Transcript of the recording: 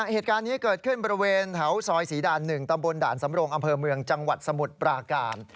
เหตุการณ์นี้เกิดขึ้นบริเวณแถวซอยศรีด่าน๑ตำบลด่านสำรงอำเภอเมืองจังหวัดสมุทรปราการ